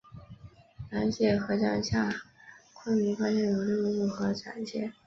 羊臼河站南下昆明方向有六渡河展线。